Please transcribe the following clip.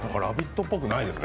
っぽくないですね